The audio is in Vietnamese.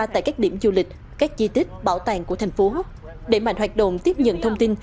tại các điểm du lịch các di tích bảo tàng của tp hcm để mạnh hoạt động tiếp nhận thông tin